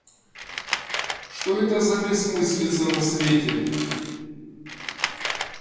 Боже мой, что это за бессмыслица на свете!